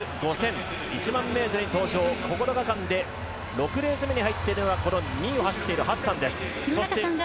そして１５００、５０００１００００ｍに登場、９日間で６レース目に入っているのが２位を走っているハッサンです。